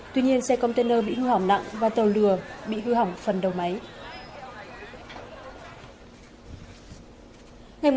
tuy nhiên xe container bị hư hỏng nặng và tàu lừa bị hư hỏng phần đầu máy